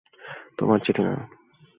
তোমার চিঠি না।